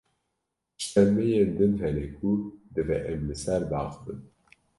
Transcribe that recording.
Tiştên me yên din hene ku divê em li ser biaxivin.